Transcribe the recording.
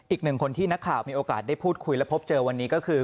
อีกหนึ่งคนที่นักข่าวมีโอกาสได้พูดคุยและพบเจอวันนี้ก็คือ